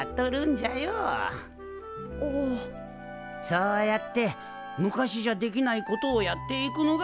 そうやって昔じゃできないことをやっていくのが宇宙開発。